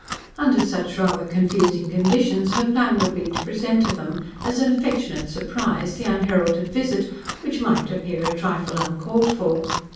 Under such rather confusing conditions her plan would be to present to them, as an affectionate surprise, the unheralded visit, which might appear a trifle uncalled for.